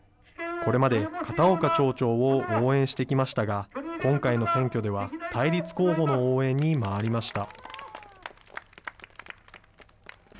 これまで片岡町長を応援してきましたが、今回の選挙では対立候補の応援に回りました。